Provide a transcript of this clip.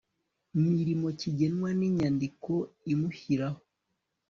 mirimo kigenwa n inyandiko imushyiraho